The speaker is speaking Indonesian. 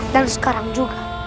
dan sekarang juga